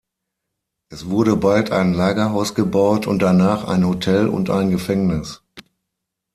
Es wurde bald ein Lagerhaus gebaut und danach ein Hotel und ein Gefängnis.